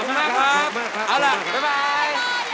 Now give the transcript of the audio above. อ๋อล่ะบ๊ายบาย